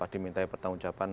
diminta pertanggung jawaban